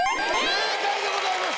正解でございます！